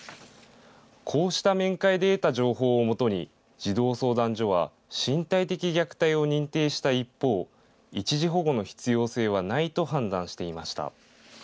こうした面会で得た情報をもとに児童相談所は身体的虐待を認定した一方、一時保護の必要性はないと判断していました。